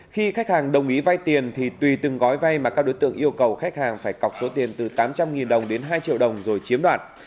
khi khách hàng đồng ý vay tiền thì tùy từng gói vay mà các đối tượng yêu cầu khách hàng phải cọc số tiền từ tám trăm linh đồng đến hai triệu đồng rồi chiếm đoạt